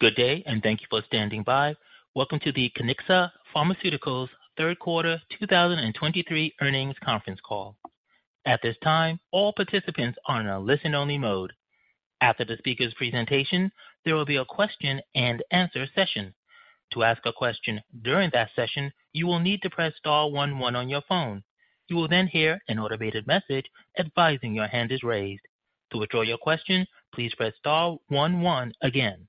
Good day, and thank you for standing by. Welcome to the Kiniksa Pharmaceuticals Third Quarter 2023 Earnings Conference Call. At this time, all participants are in a listen-only mode. After the speaker's presentation, there will be a question and answer session. To ask a question during that session, you will need to press star one one on your phone. You will then hear an automated message advising your hand is raised. To withdraw your question, please press star one one again.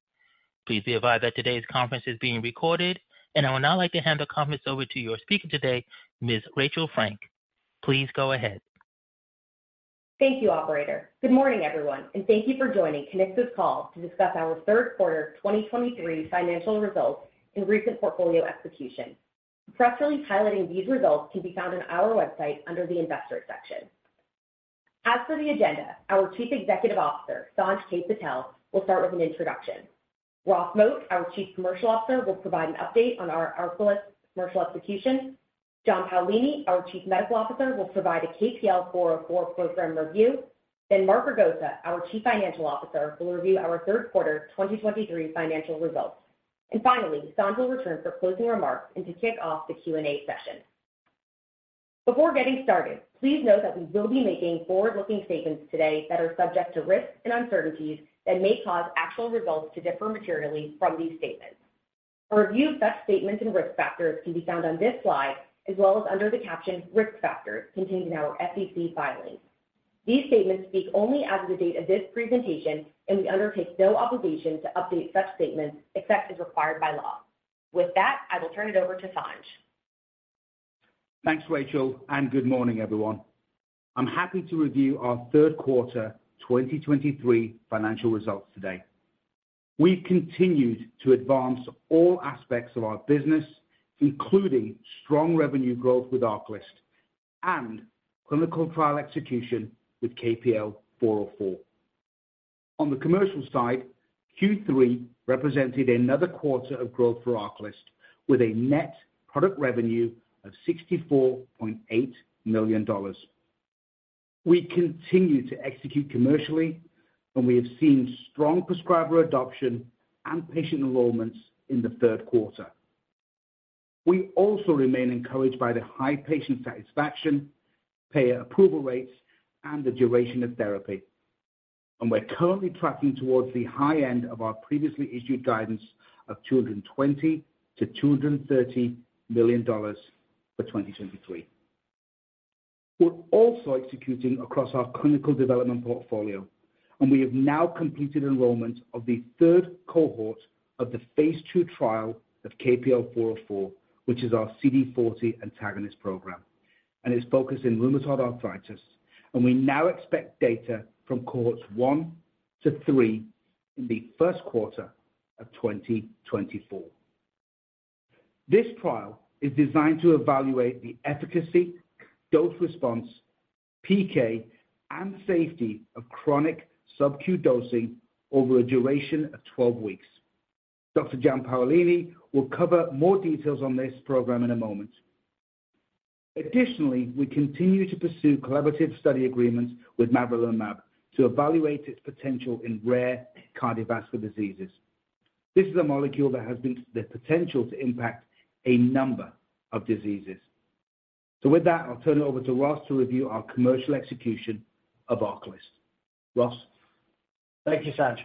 Please be advised that today's conference is being recorded, and I would now like to hand the conference over to your speaker today, Ms. Rachel Frank. Please go ahead. Thank you, operator. Good morning, everyone, and thank you for joining Kiniksa's call to discuss our third quarter 2023 financial results and recent portfolio execution. A press release highlighting these results can be found on our website under the investor section. As for the agenda, our Chief Executive Officer, Sanj K. Patel, will start with an introduction. Ross Moat, our Chief Commercial Officer, will provide an update on our ARCALYST commercial execution. John Paolini, our Chief Medical Officer, will provide a KPL-404 program review. Then Mark Ragosa, our Chief Financial Officer, will review our third quarter 2023 financial results. And finally, Sanj will return for closing remarks and to kick off the Q&A session. Before getting started, please note that we will be making forward-looking statements today that are subject to risks and uncertainties that may cause actual results to differ materially from these statements. A review of such statements and risk factors can be found on this slide, as well as under the caption "Risk Factors" contained in our SEC filings. These statements speak only as of the date of this presentation, and we undertake no obligation to update such statements except as required by law. With that, I will turn it over to Sanj. Thanks, Rachel, and good morning, everyone. I'm happy to review our third quarter 2023 financial results today. We continued to advance all aspects of our business, including strong revenue growth with ARCALYST and clinical trial execution with KPL-404. On the commercial side, Q3 represented another quarter of growth for ARCALYST, with a net product revenue of $64.8 million. We continue to execute commercially, and we have seen strong prescriber adoption and patient enrollments in the third quarter. We also remain encouraged by the high patient satisfaction, payer approval rates, and the duration of therapy. We're currently tracking towards the high end of our previously issued guidance of $220 million-$230 million for 2023. We're also executing across our clinical development portfolio, and we have now completed enrollment of the third cohort of the phase 2 trial of KPL-404, which is our CD40 antagonist program, and it's focused in rheumatoid arthritis. We now expect data from cohorts 1-3 in the first quarter of 2024. This trial is designed to evaluate the efficacy, dose response, PK, and safety of chronic SubQ dosing over a duration of 12 weeks. Dr. John Paolini will cover more details on this program in a moment. Additionally, we continue to pursue collaborative study agreements with Mavrilimumab to evaluate its potential in rare cardiovascular diseases. This is a molecule that has the potential to impact a number of diseases. So with that, I'll turn it over to Ross to review our commercial execution of ARCALYST. Ross? Thank you, Sanj.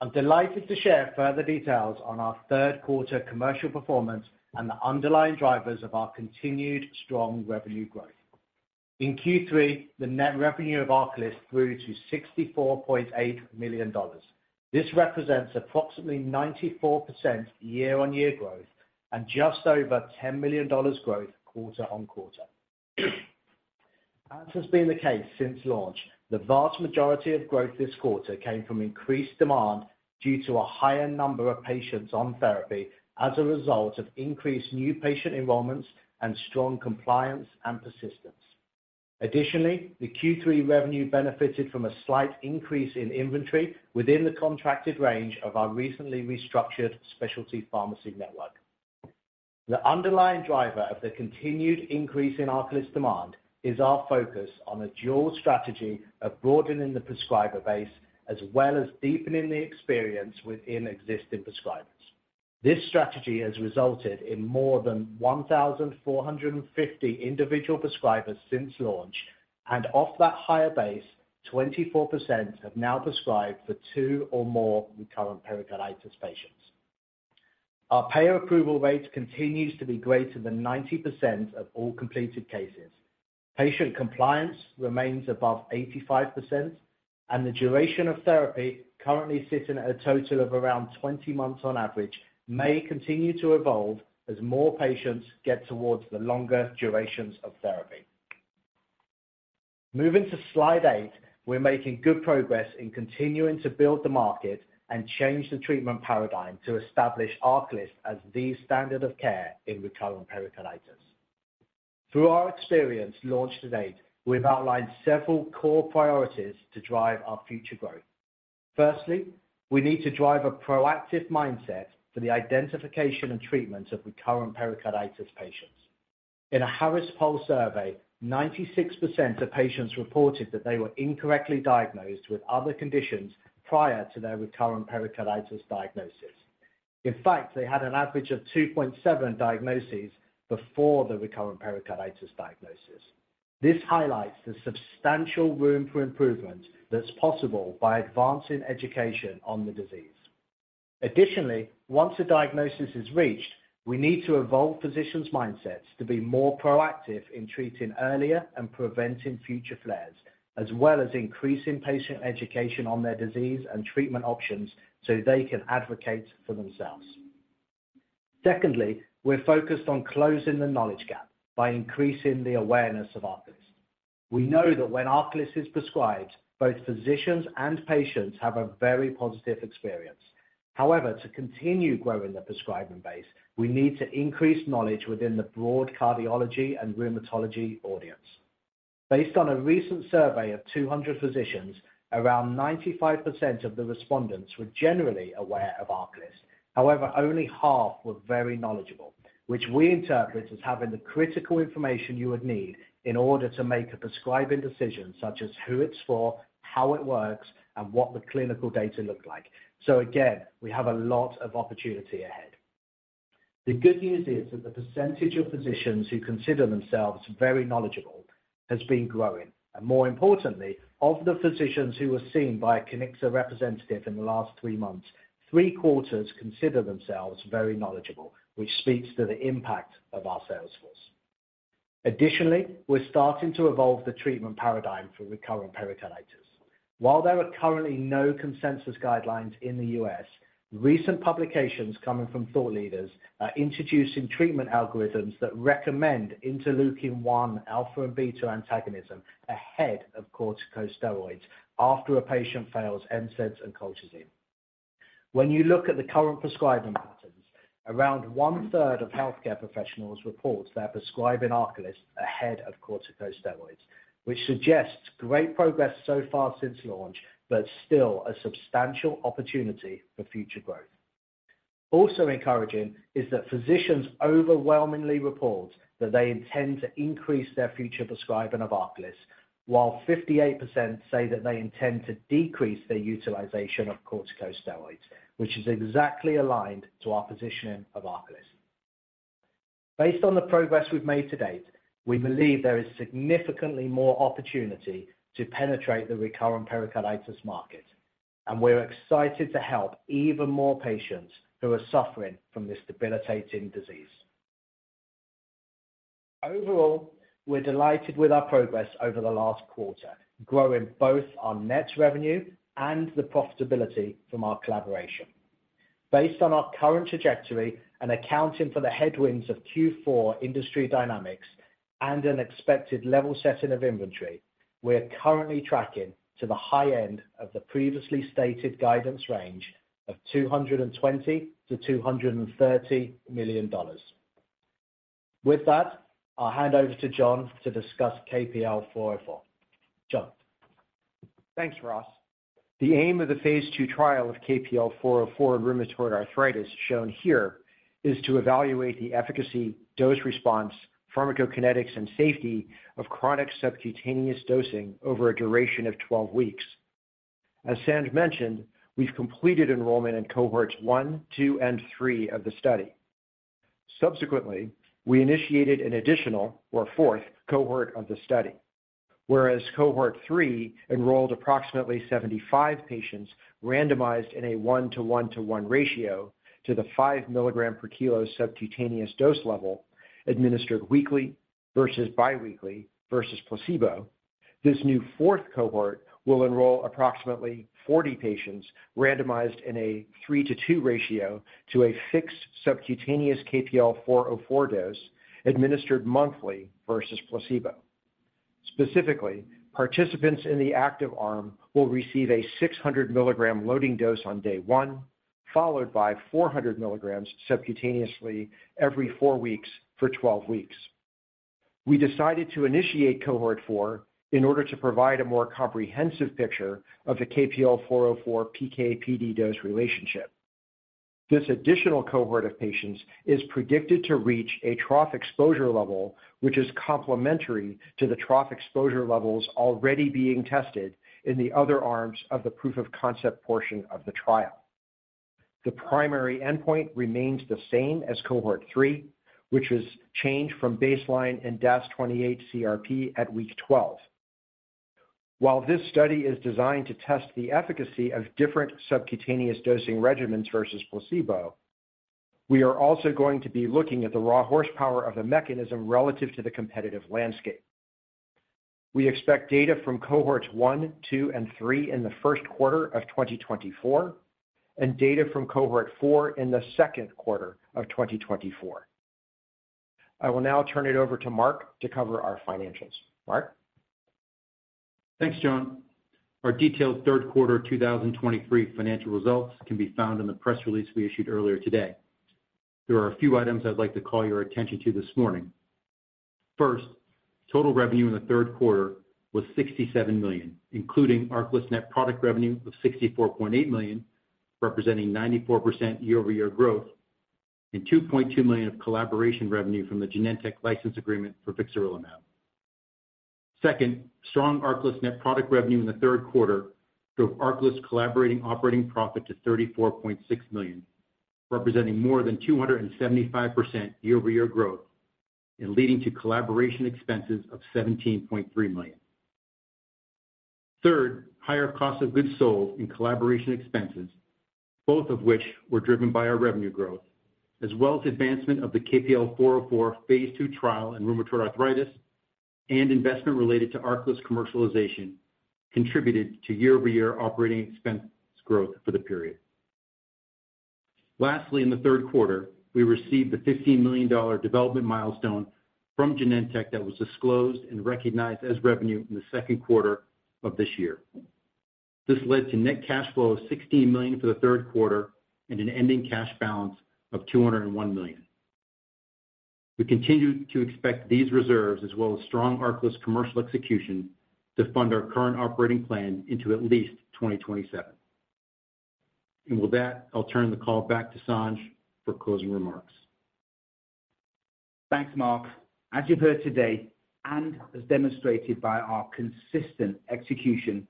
I'm delighted to share further details on our third quarter commercial performance and the underlying drivers of our continued strong revenue growth. In Q3, the net revenue of ARCALYST grew to $64.8 million. This represents approximately 94% year-over-year growth and just over $10 million growth quarter-over-quarter. As has been the case since launch, the vast majority of growth this quarter came from increased demand due to a higher number of patients on therapy as a result of increased new patient enrollments and strong compliance and persistence. Additionally, the Q3 revenue benefited from a slight increase in inventory within the contracted range of our recently restructured specialty pharmacy network. The underlying driver of the continued increase in ARCALYST demand is our focus on a dual strategy of broadening the prescriber base, as well as deepening the experience within existing prescribers. This strategy has resulted in more than 1,450 individual prescribers since launch, and off that higher base, 24% have now prescribed for two or more recurrent pericarditis patients. Our payer approval rate continues to be greater than 90% of all completed cases. Patient compliance remains above 85%, and the duration of therapy currently sitting at a total of around 20 months on average, may continue to evolve as more patients get towards the longer durations of therapy. Moving to Slide 8, we're making good progress in continuing to build the market and change the treatment paradigm to establish ARCALYST as the standard of care in recurrent pericarditis. Through our experience launched to date, we've outlined several core priorities to drive our future growth. Firstly, we need to drive a proactive mindset for the identification and treatment of recurrent pericarditis patients. In a Harris Poll survey, 96% of patients reported that they were incorrectly diagnosed with other conditions prior to their recurrent pericarditis diagnosis. In fact, they had an average of 2.7 diagnoses before the recurrent pericarditis diagnosis. This highlights the substantial room for improvement that's possible by advancing education on the disease. Additionally, once a diagnosis is reached, we need to evolve physicians' mindsets to be more proactive in treating earlier and preventing future flares, as well as increasing patient education on their disease and treatment options so they can advocate for themselves. Secondly, we're focused on closing the knowledge gap by increasing the awareness of ARCALYST. We know that when ARCALYST is prescribed, both physicians and patients have a very positive experience. However, to continue growing the prescribing base, we need to increase knowledge within the broad cardiology and rheumatology audience. Based on a recent survey of 200 physicians, around 95% of the respondents were generally aware of ARCALYST. However, only 1/2 were very knowledgeable, which we interpret as having the critical information you would need in order to make a prescribing decision, such as who it's for, how it works, and what the clinical data look like. So again, we have a lot of opportunity ahead. The good news is that the percentage of physicians who consider themselves very knowledgeable has been growing. And more importantly, of the physicians who were seen by a Kiniksa representative in the last three months, 3/4 consider themselves very knowledgeable, which speaks to the impact of our sales force. Additionally, we're starting to evolve the treatment paradigm for recurrent pericarditis. While there are currently no consensus guidelines in the U.S., recent publications coming from thought leaders are introducing treatment algorithms that recommend interleukin-1 alpha and beta antagonism ahead of corticosteroids after a patient fails NSAIDs and colchicine. When you look at the current prescribing patterns, around 1/3 of healthcare professionals report they're prescribing ARCALYST ahead of corticosteroids, which suggests great progress so far since launch, but still a substantial opportunity for future growth. Also encouraging is that physicians overwhelmingly report that they intend to increase their future prescribing of ARCALYST, while 58% say that they intend to decrease their utilization of corticosteroids, which is exactly aligned to our positioning of ARCALYST. Based on the progress we've made to date, we believe there is significantly more opportunity to penetrate the recurrent pericarditis market, and we're excited to help even more patients who are suffering from this debilitating disease. Overall, we're delighted with our progress over the last quarter, growing both our net revenue and the profitability from our collaboration. Based on our current trajectory and accounting for the headwinds of Q4 industry dynamics and an expected level setting of inventory, we are currently tracking to the high end of the previously stated guidance range of $220 million-$230 million. With that, I'll hand over to John to discuss KPL-404. John? Thanks, Ross. The aim of the phase 2 trial of KPL-404 in rheumatoid arthritis, shown here, is to evaluate the efficacy, dose response, pharmacokinetics, and safety of chronic subcutaneous dosing over a duration of 12 weeks. As Sanj mentioned, we've completed enrollment in Cohorts 1, 2, and 3 of the study. Subsequently, we initiated an additional or fourth cohort of the study, whereas Cohort 3 enrolled approximately 75 patients, randomized in a 1:1:1 ratio to the 5 mg/kg subcutaneous dose level, administered weekly versus biweekly versus placebo. This new fourth cohort will enroll approximately 40 patients, randomized in a 3:2 ratio to a fixed subcutaneous KPL-404 dose, administered monthly versus placebo. Specifically, participants in the active arm will receive a 600 mg loading dose on day one, followed by 400 mg subcutaneously every 4 weeks for 12 weeks. We decided to initiate cohort 4 in order to provide a more comprehensive picture of the KPL-404 PK/PD dose relationship. This additional cohort of patients is predicted to reach a trough exposure level, which is complementary to the trough exposure levels already being tested in the other arms of the proof of concept portion of the trial. The primary endpoint remains the same as cohort 3, which is changed from baseline and DAS28-CRP at week 12. While this study is designed to test the efficacy of different subcutaneous dosing regimens versus placebo, we are also going to be looking at the raw horsepower of the mechanism relative to the competitive landscape. We expect data from Cohorts 1, 2, and 3 in the first quarter of 2024, and data from cohort 4 in the second quarter of 2024. I will now turn it over to Mark to cover our financials. Mark? Thanks, John. Our detailed third quarter 2023 financial results can be found in the press release we issued earlier today. There are a few items I'd like to call your attention to this morning. First, total revenue in the third quarter was $67 million, including ARCALYST net product revenue of $64.8 million, representing 94% year-over-year growth, and $2.2 million of collaboration revenue from the Genentech license agreement for Vixarelimab. Second, strong ARCALYST net product revenue in the third quarter drove ARCALYST's contribution operating profit to $34.6 million, representing more than 275% year-over-year growth, and leading to collaboration expenses of $17.3 million. Third, higher cost of goods sold and collaboration expenses, both of which were driven by our revenue growth, as well as advancement of the KPL-404 phase 2 trial in rheumatoid arthritis and investment related to ARCALYST commercialization, contributed to year-over-year operating expense growth for the period. Lastly, in the third quarter, we received the $15 million development milestone from Genentech that was disclosed and recognized as revenue in the second quarter of this year. This led to net cash flow of $16 million for the third quarter and an ending cash balance of $201 million. We continue to expect these reserves, as well as strong ARCALYST commercial execution, to fund our current operating plan into at least 2027. And with that, I'll turn the call back to Sanj for closing remarks. Thanks, Mark. As you've heard today, and as demonstrated by our consistent execution,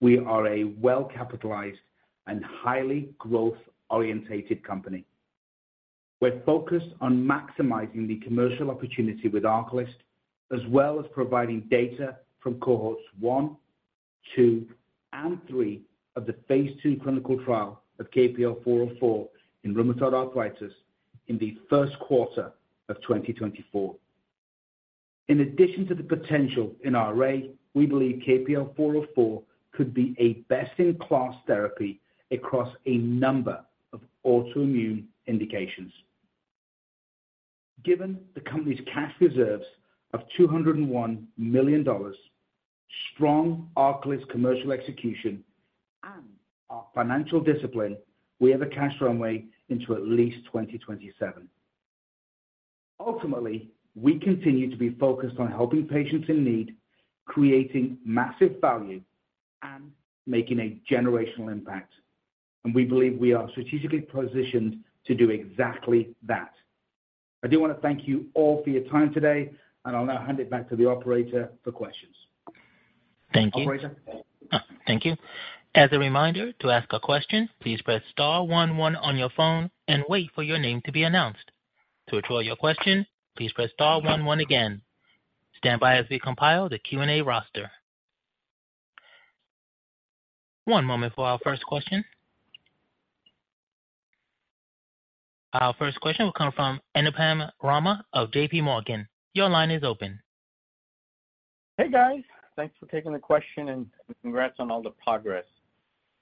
we are a well-capitalized and highly growth-orientated company. We're focused on maximizing the commercial opportunity with ARCALYST, as well as providing data from Cohorts 1, 2, and 3 of the phase II clinical trial of KPL-404 in rheumatoid arthritis in the first quarter of 2024. In addition to the potential in RA, we believe KPL-404 could be a best-in-class therapy across a number of autoimmune indications. Given the company's cash reserves of $201 million, strong ARCALYST commercial execution, and our financial discipline, we have a cash runway into at least 2027. Ultimately, we continue to be focused on helping patients in need, creating massive value, and making a generational impact, and we believe we are strategically positioned to do exactly that. I do wanna thank you all for your time today, and I'll now hand it back to the operator for questions. Thank you. Operator? Thank you. As a reminder, to ask a question, please press star one, one on your phone and wait for your name to be announced. To withdraw your question, please press star one, one again. Stand by as we compile the Q&A roster. One moment for our first question. Our first question will come from Anupam Rama of JPMorgan. Your line is open. Hey, guys. Thanks for taking the question and congrats on all the progress.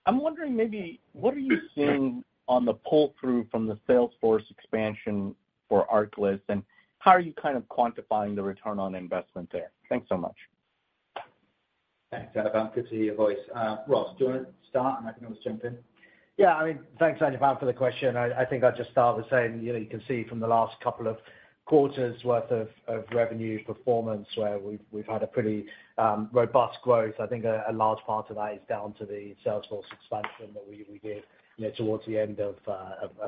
I'm wondering maybe, what are you seeing on the pull-through from the salesforce expansion for ARCALYST, and how are you kind of quantifying the return on investment there? Thanks so much. Thanks, Anupam. Good to hear your voice. Ross, do you want to start, and I can always jump in? Yeah, I mean, thanks, Anupam, for the question. I think I'd just start with saying, you know, you can see from the last couple of quarters' worth of revenue performance, where we've had a pretty robust growth. I think a large part of that is down to the salesforce expansion that we did, you know, towards the end of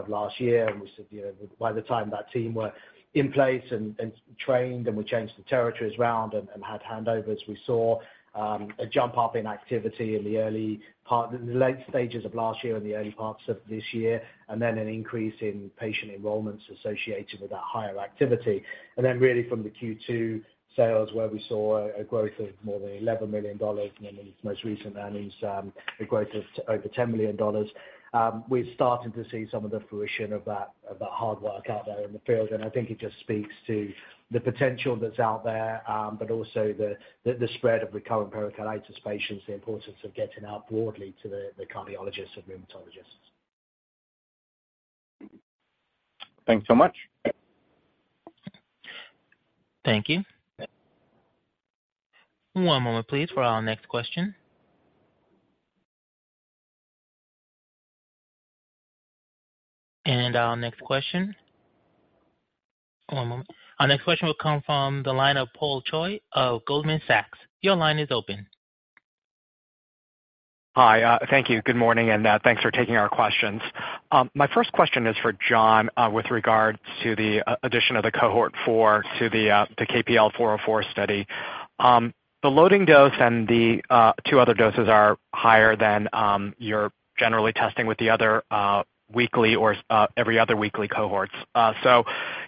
last year. And we said, you know, by the time that team were in place and trained, and we changed the territories around and had handovers, we saw a jump up in activity in the late stages of last year and the early parts of this year, and then an increase in patient enrollments associated with that higher activity. And then really from the Q2 sales, where we saw a growth of more than $11 million, and in the most recent earnings, a growth of over $10 million, we've started to see some of the fruition of that hard work out there in the field. And I think it just speaks to the potential that's out there, but also the spread of recurrent pericarditis patients, the importance of getting out broadly to the cardiologists and rheumatologists. Thanks so much. Thank you. One moment, please, for our next question. And our next question. One moment. Our next question will come from the line of Paul Choi of Goldman Sachs. Your line is open. Hi, thank you. Good morning, and thanks for taking our questions. My first question is for John, with regards to the addition of the Cohort 4 to the KPL-404 study. The loading dose and the two other doses are higher than you're generally testing with the other weekly or every other weekly cohorts. So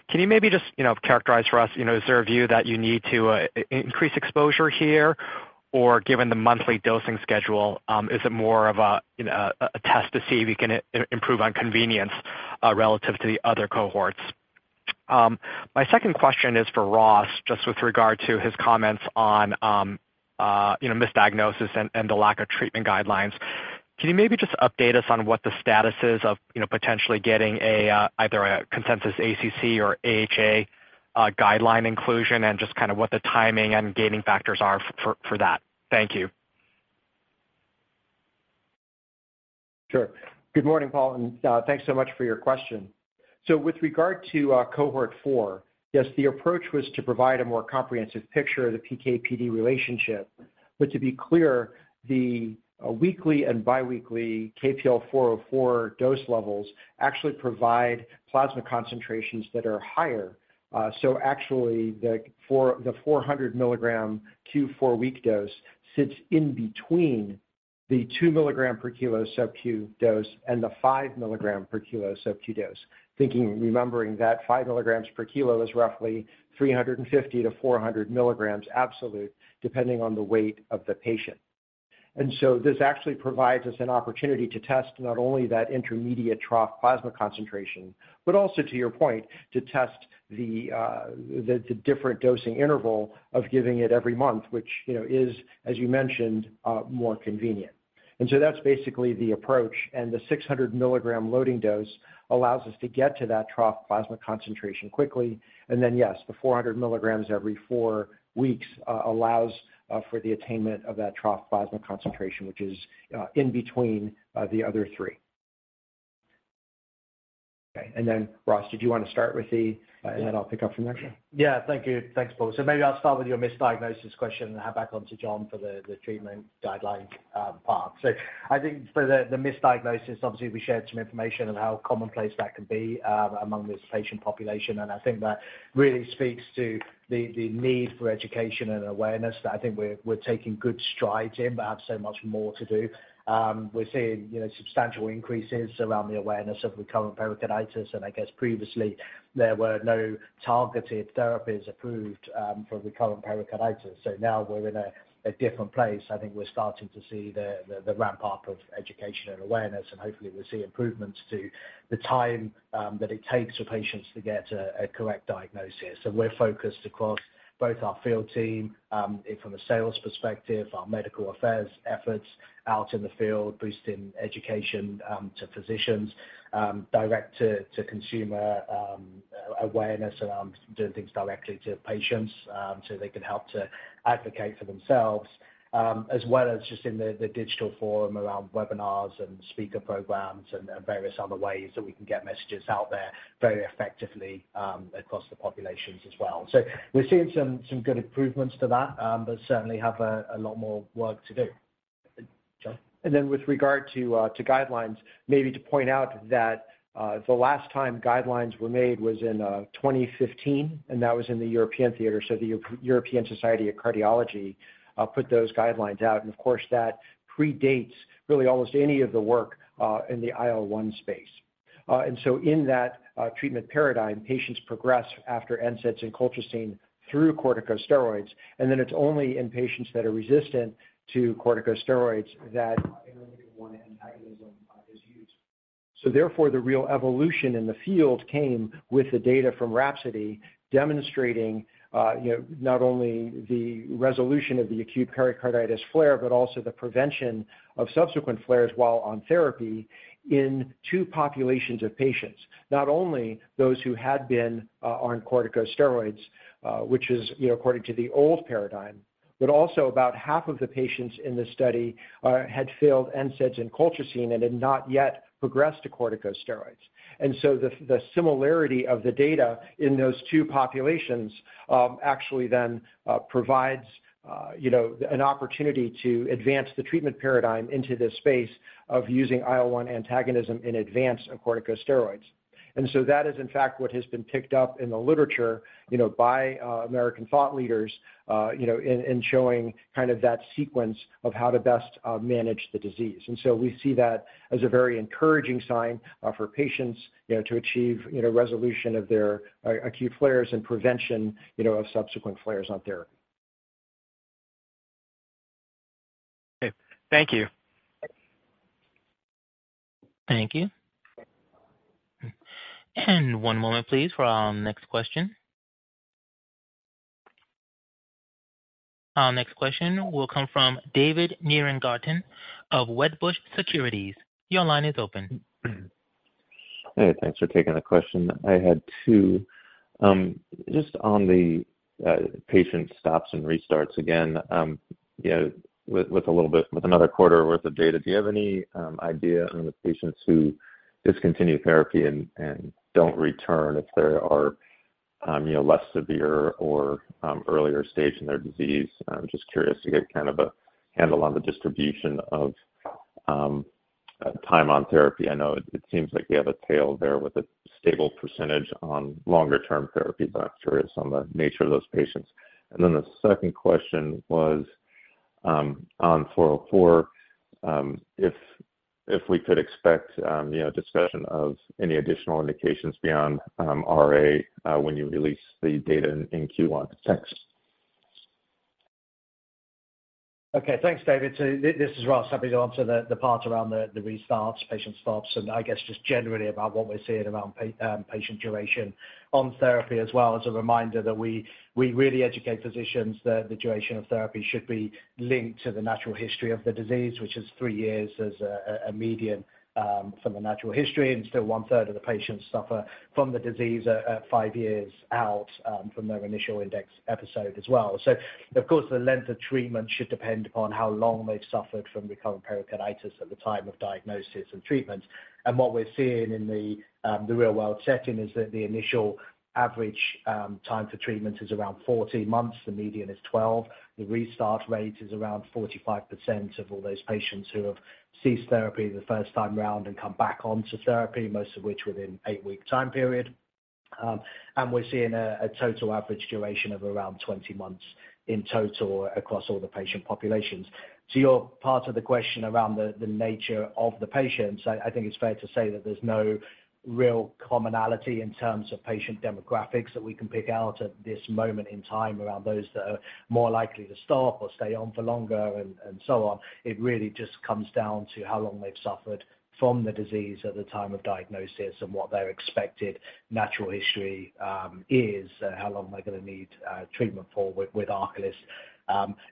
can you maybe just, you know, characterize for us, you know, is there a view that you need to increase exposure here? Or given the monthly dosing schedule, is it more of a, you know, a test to see if you can improve on convenience relative to the other cohorts? My second question is for Ross, just with regard to his comments on, you know, misdiagnosis and the lack of treatment guidelines. Can you maybe just update us on what the status is of, you know, potentially getting a either a consensus ACC or AHA guideline inclusion and just kind of what the timing and gating factors are for that? Thank you. Sure. Good morning, Paul, and, thanks so much for your question. So with regard to, cohort 4, yes, the approach was to provide a more comprehensive picture of the PK/PD relationship. But to be clear, the weekly and biweekly KPL-404 dose levels actually provide plasma concentrations that are higher. So actually, the 400 mg Q4 week dose sits in between the 2 mg/kg SubQ dose and the 5 mg/kg SubQ dose. Thinking, remembering that 5 mg/kilo is roughly 350-400 mg absolute, depending on the weight of the patient. And so this actually provides us an opportunity to test not only that intermediate trough plasma concentration, but also, to your point, to test the different dosing interval of giving it every month, which, you know, is, as you mentioned, more convenient. And so that's basically the approach. And the 600 mg loading dose allows us to get to that trough plasma concentration quickly. And then, yes, the 400 mg every 4 weeks allows for the attainment of that trough plasma concentration, which is in between the other three. Okay. And then, Ross, did you want to start with the... And then I'll pick up from there? Yeah. Thank you. Thanks, Paul. So maybe I'll start with your misdiagnosis question and hand back on to John for the treatment guideline part. So I think for the misdiagnosis, obviously, we shared some information on how commonplace that can be among this patient population. And I think that really speaks to the need for education and awareness that I think we're taking good strides in, but have so much more to do. We're seeing, you know, substantial increases around the awareness of recurrent pericarditis, and I guess previously there were no targeted therapies approved for recurrent pericarditis. So now we're in a different place. I think we're starting to see the ramp up of education and awareness, and hopefully we'll see improvements to the time that it takes for patients to get a correct diagnosis. So we're focused across both our field team, from a sales perspective, our medical affairs efforts out in the field, boosting education, to physicians, direct to consumer awareness around doing things directly to patients, so they can help to advocate for themselves. As well as just in the digital forum around webinars and speaker programs and various other ways that we can get messages out there very effectively, across the populations as well. So we're seeing some good improvements to that, but certainly have a lot more work to do. John? And then with regard to guidelines, maybe to point out that the last time guidelines were made was in 2015, and that was in the European theater. So the European Society of Cardiology put those guidelines out. And of course, that predates really almost any of the work in the IL-1 space. And so in that treatment paradigm, patients progress after NSAIDs and colchicine through corticosteroids, and then it's only in patients that are resistant to corticosteroids that IL-1 antagonism is used. So therefore, the real evolution in the field came with the data from RHAPSODY, demonstrating you know, not only the resolution of the acute pericarditis flare, but also the prevention of subsequent flares while on therapy in two populations of patients. Not only those who had been on corticosteroids, which is, you know, according to the old paradigm, but also about half of the patients in the study had failed NSAIDs and colchicine and had not yet progressed to corticosteroids. And so the similarity of the data in those two populations actually then provides, you know, an opportunity to advance the treatment paradigm into this space of using IL-1 antagonism in advance of corticosteroids. And so that is, in fact, what has been picked up in the literature, you know, by American thought leaders, you know, in showing kind of that sequence of how to best manage the disease. And so we see that as a very encouraging sign for patients, you know, to achieve, you know, resolution of their acute flares and prevention, you know, of subsequent flares out there. Okay. Thank you. Thank you. One moment, please, for our next question. Our next question will come from David Nierengarten of Wedbush Securities. Your line is open. Hey, thanks for taking the question. I had two. Just on the patient stops and restarts again, you know, with a little bit, with another quarter worth of data, do you have any idea on the patients who discontinue therapy and don't return if there are, you know, less severe or earlier stage in their disease? I'm just curious to get kind of a handle on the distribution of time on therapy. I know it seems like we have a tail there with a stable percentage on longer-term therapy, but I'm curious on the nature of those patients. And then the second question was on 404, if we could expect, you know, discussion of any additional indications beyond RA when you release the data in Q1. Thanks. Okay. Thanks, David. So this is Ross. Happy to answer the part around the restarts, patient stops, and I guess just generally about what we're seeing around patient duration on therapy, as well as a reminder that we really educate physicians that the duration of therapy should be linked to the natural history of the disease, which is three years as a median from the natural history, and still 1/3 of the patients suffer from the disease at five years out from their initial index episode as well. So of course, the length of treatment should depend upon how long they've suffered from recurrent pericarditis at the time of diagnosis and treatment. And what we're seeing in the real-world setting is that the initial average time to treatment is around 14 months, the median is 12. The restart rate is around 45% of all those patients who have ceased therapy the first time around and come back onto therapy, most of which within an 8-week time period. And we're seeing a total average duration of around 20 months in total across all the patient populations. To your part of the question around the nature of the patients, I think it's fair to say that there's no real commonality in terms of patient demographics that we can pick out at this moment in time, around those that are more likely to stop or stay on for longer and so on. It really just comes down to how long they've suffered from the disease at the time of diagnosis and what their expected natural history is. How long are they gonna need treatment for with ARCALYST?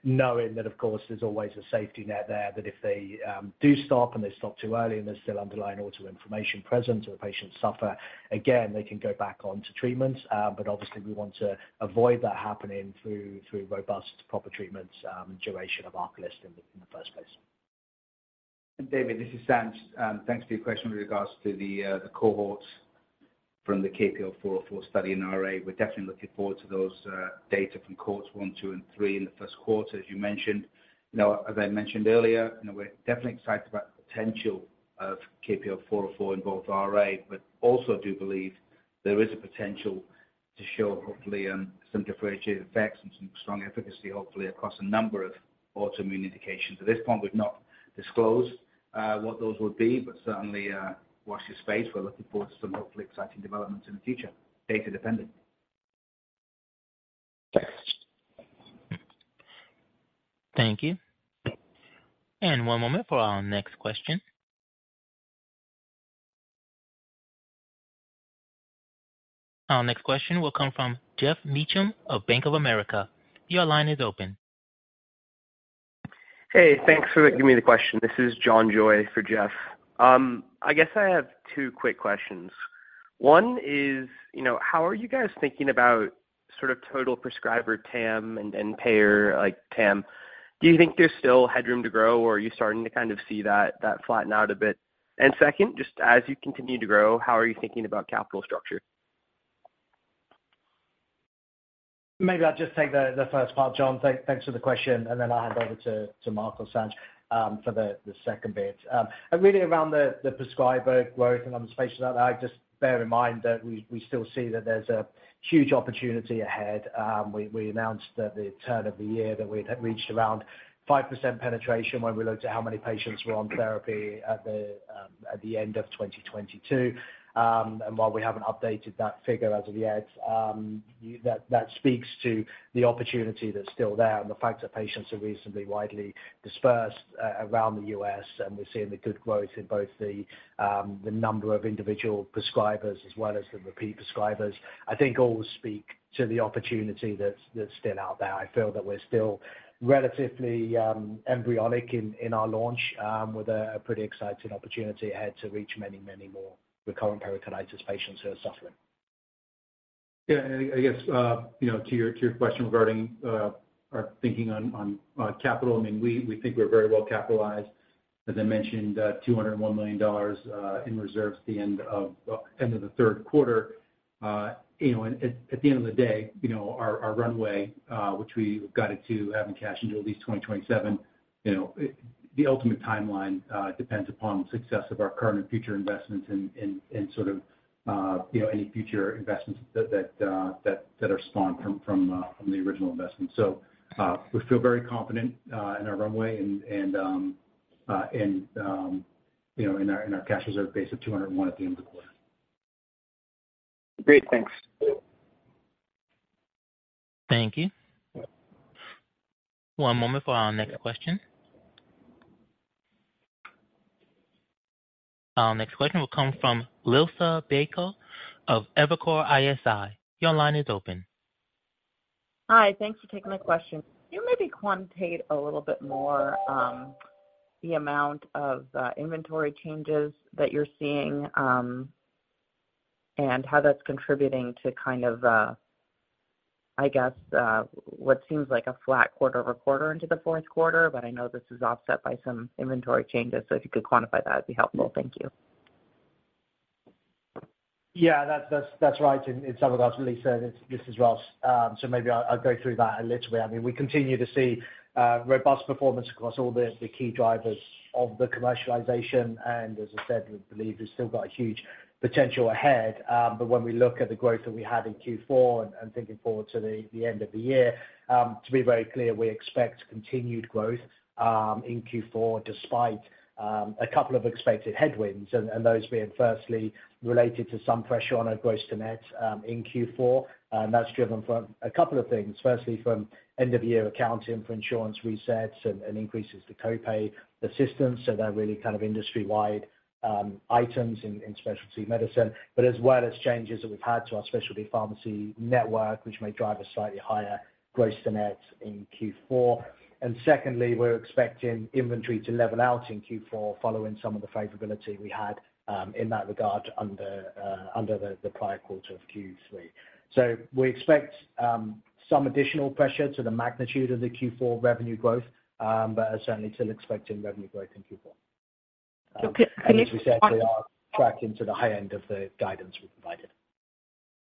Knowing that, of course, there's always a safety net there, that if they do stop, and they stop too early, and there's still underlying autoinflammation present or the patients suffer, again, they can go back onto treatment. But obviously we want to avoid that happening through robust, proper treatments, duration of ARCALYST in the first place. David, this is Sanj. Thanks for your question with regards to the cohorts from the KPL-404 study in RA. We're definitely looking forward to those data from Cohorts 1, 2, and 3 in the first quarter, as you mentioned. Now, as I mentioned earlier, you know, we're definitely excited about the potential of KPL-404 in both RA, but also do believe there is a potential to show, hopefully, some differentiated effects and some strong efficacy, hopefully across a number of autoimmune indications. At this point, we've not disclosed what those would be, but certainly watch this space. We're looking forward to some hopefully exciting developments in the future, data dependent. Thank you. One moment for our next question. Our next question will come from Geoff Meacham of Bank of America. Your line is open. Hey, thanks for giving me the question. This is Johns Joy for Jeff. I guess I have two quick questions. One is, you know, how are you guys thinking about sort of total prescriber TAM and payer, like, TAM? Do you think there's still headroom to grow, or are you starting to kind of see that flatten out a bit? And second, just as you continue to grow, how are you thinking about capital structure? Maybe I'll just take the first part, John. Thanks for the question, and then I'll hand over to Mark or Sanj for the second bit. And really around the prescriber growth, and I'm sure at that, just bear in mind that we still see that there's a huge opportunity ahead. We announced at the turn of the year that we had reached around 5% penetration when we looked at how many patients were on therapy at the end of 2022. And while we haven't updated that figure as of yet, you-- that speaks to the opportunity that's still there and the fact that patients are reasonably widely dispersed around the US, and we're seeing good growth in both the number of individual prescribers as well as the repeat prescribers. I think all speak to the opportunity that's still out there. I feel that we're still relatively embryonic in our launch with a pretty exciting opportunity ahead to reach many, many more recurrent pericarditis patients who are suffering. Yeah, and I guess, you know, to your question regarding our thinking on capital, I mean, we think we're very well capitalized. As I mentioned, $201 million in reserves at the end of the third quarter. You know, and at the end of the day, you know, our runway, which we got it to having cash until at least 2027, you know, it. The ultimate timeline depends upon the success of our current and future investments and sort of, you know, any future investments that are spawned from the original investment. We feel very confident in our runway and you know in our cash reserve base of $201 at the end of the quarter. Great. Thanks. Thank you. One moment for our next question. Our next question will come from Liisa Bayko of Evercore ISI. Your line is open. Hi, thanks for taking my question. Can you maybe quantitate a little bit more, the amount of, inventory changes that you're seeing, and how that's contributing to kind of, I guess, what seems like a flat quarter over quarter into the fourth quarter, but I know this is offset by some inventory changes. So if you could quantify, that'd be helpful. Thank you. Yeah, that's right, and some of that, Lisa, this is Ross. So maybe I'll go through that a little bit. I mean, we continue to see robust performance across all the key drivers of the commercialization, and as I said, we believe we've still got a huge potential ahead. But when we look at the growth that we had in Q4 and thinking forward to the end of the year, to be very clear, we expect continued growth in Q4 despite a couple of expected headwinds. And those being firstly related to some pressure on our gross to net in Q4, and that's driven from a couple of things. Firstly, from end-of-year accounting for insurance resets and increases to co-pay assistance, so they're really kind of industry-wide items in specialty medicine. But as well as changes that we've had to our specialty pharmacy network, which may drive a slightly higher gross to net in Q4. And secondly, we're expecting inventory to level out in Q4, following some of the favorability we had in that regard under the prior quarter of Q3. We expect some additional pressure to the magnitude of the Q4 revenue growth, but are certainly still expecting revenue growth in Q4. So can- As we said, we are tracking to the high end of the guidance we provided.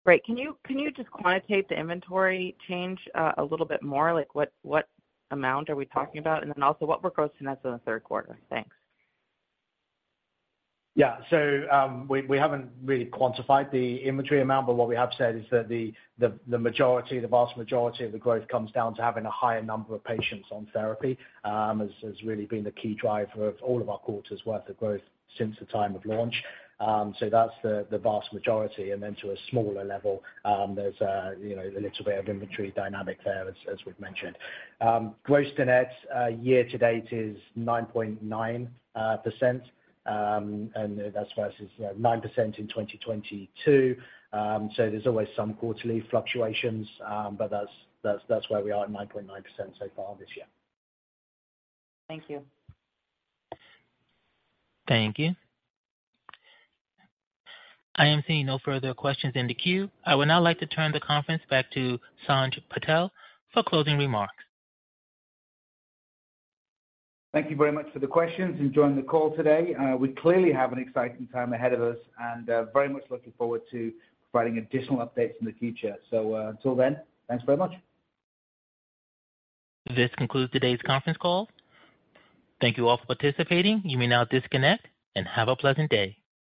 Great. Can you, can you just quantitate the inventory change a little bit more? Like, what, what amount are we talking about? And then also, what were gross to net in the third quarter? Thanks. Yeah. So, we haven't really quantified the inventory amount, but what we have said is that the majority, the vast majority of the growth comes down to having a higher number of patients on therapy, has really been the key driver of all of our quarters worth of growth since the time of launch. So that's the vast majority. And then to a smaller level, there's a you know, a little bit of inventory dynamic there, as we've mentioned. Gross to net, year to date is 9.9%, and that's versus 9% in 2022. So there's always some quarterly fluctuations, but that's where we are, at 9.9% so far this year. Thank you. Thank you. I am seeing no further questions in the queue. I would now like to turn the conference back to Sanj Patel for closing remarks. Thank you very much for the questions and joining the call today. We clearly have an exciting time ahead of us and, very much looking forward to providing additional updates in the future. So, until then, thanks very much. This concludes today's conference call. Thank you all for participating. You may now disconnect and have a pleasant day.